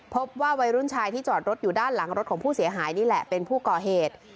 พบว่าวัยรุ่นชายที่จอดรถอยู่ด้านหลังรถของผู้เสียหายนี่แหละเป็นผู้ก่อเหตุ